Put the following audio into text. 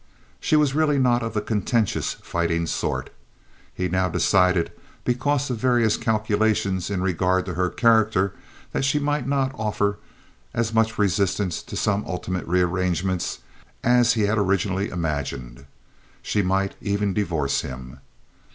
She was really not of the contentious fighting sort. He now decided because of various calculations in regard to her character that she might not offer as much resistance to some ultimate rearrangement, as he had originally imagined. She might even divorce him.